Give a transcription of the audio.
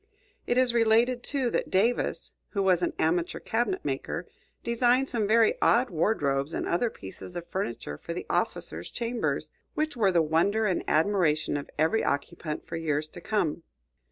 It is related, too, that Davis, who was an amateur cabinet maker, designed some very odd wardrobes and other pieces of furniture for the officers' chambers, which were the wonder and admiration of every occupant for years to come.